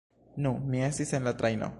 Nu, mi estis en la trajno...